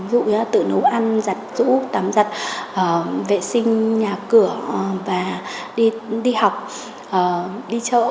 ví dụ như là tự nấu ăn giặt rũ tắm giặt vệ sinh nhà cửa và đi học đi chợ